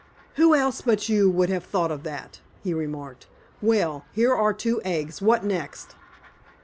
"Who else but you would have thought of that!" he remarked. "Well, here are two eggs. What next?"